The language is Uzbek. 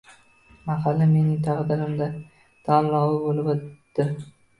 “Mahalla – mening taqdirimda” tanlovi bo‘lib o‘tdi